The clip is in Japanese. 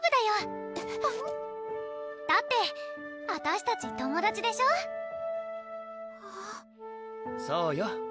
えっだってあたしたち友達でしょそうよ